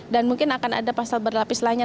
dan mungkin akan ada pasal berlapis lainnya